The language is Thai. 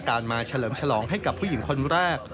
มาเฉลิมฉลองให้กับผู้หญิงคนแรก